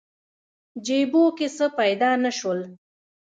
جیبو کې څه پیدا نه شول.